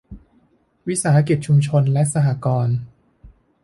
วิสาหกิจชุมชน และสหกรณ์